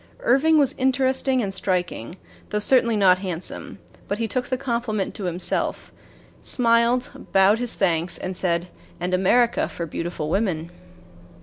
Irving was interesting and striking, though certainly not handsome; but he took the compliment to himself, smiled, bowed his thanks, and said: "And America for beautiful women."